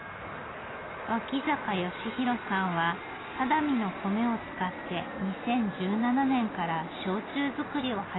脇坂斉弘さんは只見の米を使って２０１７年から焼酎造りを始めました。